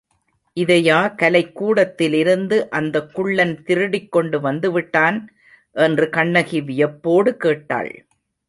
இதையா கலைக்கூடத்திலிருந்து அந்தக் குள்ளன் திருடிக்கொண்டு வந்துவிட்டான்? என்று கண்ணகி வியப்போடு கேட்டாள்.